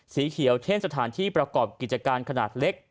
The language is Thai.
สีเขียวเช่นสถานที่ประกอบกิจการขนาดเล็ก